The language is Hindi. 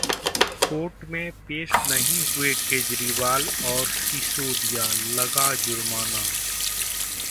कोर्ट में पेश नहीं हुए केजरीवाल और सिसोदिया, लगा जुर्माना